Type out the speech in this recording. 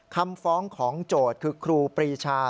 คำฟ้องของโจทย์คือครูปรีชา